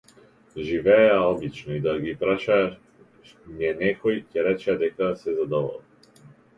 Живееја обично, и да ги прашање некој, ќе речеа дека се задоволни.